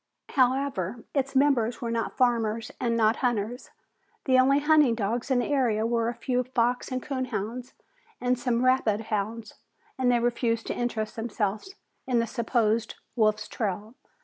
However, its members were farmers and not hunters. The only hunting dogs in the area were a few fox and coon hounds and some rabbit hounds, and they refused to interest themselves in the supposed wolf's trail.